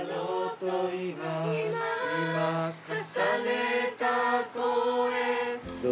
「今今重ねた声」